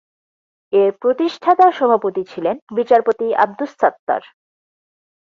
এর প্রতিষ্ঠাতা সভাপতি ছিলেন বিচারপতি আবদুস সাত্তার।